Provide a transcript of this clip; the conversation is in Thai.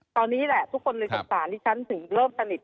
ตอนนี้แหละทุกคนเลยสงสารดิฉันถึงเริ่มสนิท